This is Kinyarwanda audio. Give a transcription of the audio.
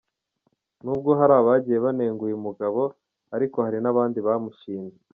Nubwo hari abagiye banenga uyu mugabo ariko hari nabandi bamushimye.